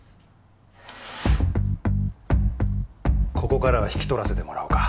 ここからは引き取らせてもらおうか。